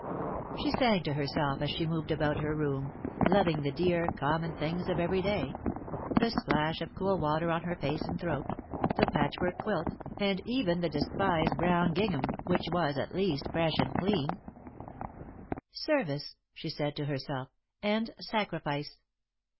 She sang to herself as she moved about her room, loving the dear, common things of every day the splash of cool water on her face and throat, the patchwork quilt, and even the despised brown gingham, which was, at least, fresh and clean. [Sidenote: Service and Sacrifice] "Service," she said to herself, "and sacrifice.